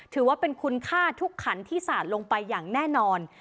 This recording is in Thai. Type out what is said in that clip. ถือว่าเป็นคุณค่าทุกขันที่สาดลงไปอย่างแน่นอน